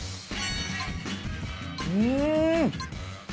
うん。